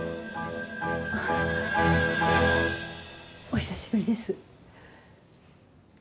お久しぶりです。